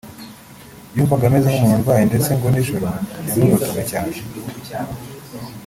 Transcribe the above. yumvaga ameze nk'umuntu urwaye ndetse ngo nijoro yaramurotaga cyane